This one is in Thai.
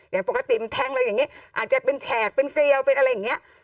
อย่างปกติมันแทงเราอย่างนี้อาจจะเป็นแฉกเป็นเฟรียวเป็นอะไรอย่างนี้